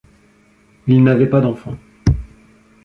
Il n'avait pas d'enfant.